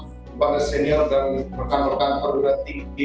sebagai senior dan pekan pekan perubahan tinggi